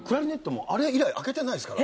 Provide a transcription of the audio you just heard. もうあれ以来開けてないですから。